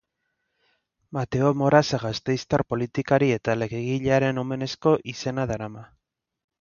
Mateo Moraza gasteiztar politikari eta legegilearen omenezko izena darama.